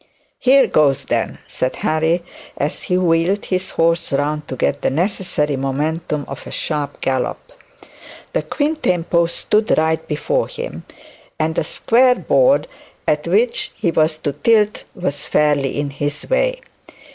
'Here goes then,' said Harry as he wheeled his horse round to get the necessary momentum of a sharp gallop. The quintain post stood right before him, and the square board at which he was to tilt was fairly in the way.